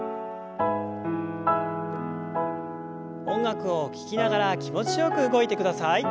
音楽を聞きながら気持ちよく動いてください。